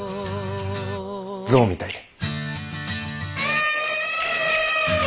象みたいで。